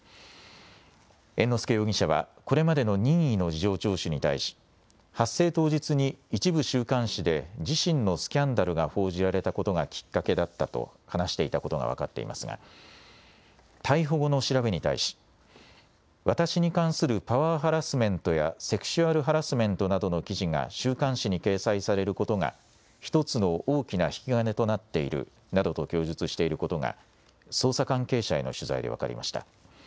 猿之助容疑者はこれまでの任意の事情聴取に対し、発生当日に一部週刊誌で、自身のスキャンダルが報じられたことがきっかけだったと話していたことが分かっていますが、逮捕後の調べに対し、私に関するパワーハラスメントやセクシュアルハラスメントなどの記事が週刊誌に掲載されることが１つの大きな引き金となっているなどと供述していることが、捜査関係者への取材で分かりました。